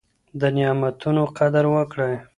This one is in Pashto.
د نعمتونو قدر وکړئ.